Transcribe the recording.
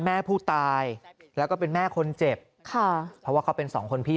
แม่ผู้ตายแล้วก็เป็นแม่คนเจ็บค่ะเพราะว่าเขาเป็นสองคนพี่